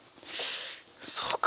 そうか。